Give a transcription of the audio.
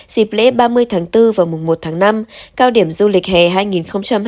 dịp lễ ba mươi tháng bốn và mùng một tháng năm cao điểm du lịch hè hai nghìn hai mươi bốn